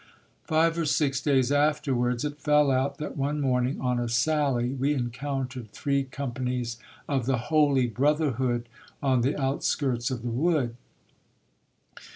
Five or six days afterwards, it fell out that one morning, on a sally, we encountered three companies of the Holy Brotherhood, on the outskirts of the wood.